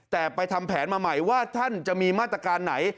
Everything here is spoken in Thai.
แต่ไปทำแผนมาใหม่ว่าท่านจะมีมาตรการไหน